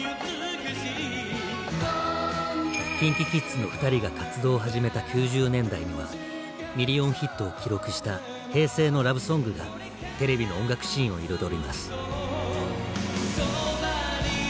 ＫｉｎＫｉＫｉｄｓのふたりが活動を始めた９０年代にはミリオンヒットを記録した「平成のラブソング」がテレビの音楽シーンを彩ります。